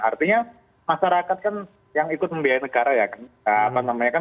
artinya masyarakat yang ikut membiayai negara